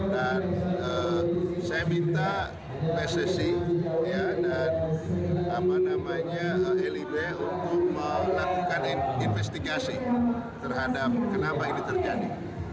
dan saya minta pssi dan nama namanya lib untuk melakukan investigasi terhadap kenapa ini terjadi